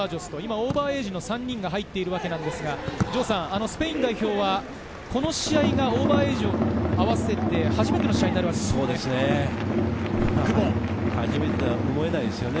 オーバーエイジの３人が入っているわけですが、スペイン代表はこの試合がオーバーエイジを合わせて初めての試合ですね。